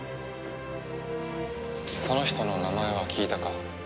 その人の名前は聞いたか？